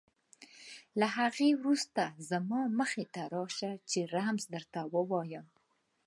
له هغې وروسته زما مخې ته راشه چې رمز درته ووایم.